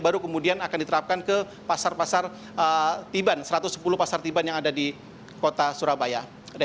baru kemudian akan diterapkan ke pasar pasar tiban satu ratus sepuluh pasar tiban yang ada di kota surabaya